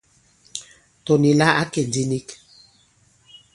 Tɔ̀ nì la à kɛ ndī nik.